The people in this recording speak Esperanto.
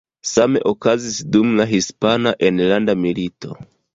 Same okazis dum la Hispana Enlanda Milito.